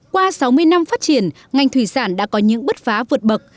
qua sáu mươi năm phát triển ngành thủy sản đã có những bứt phá vượt bậc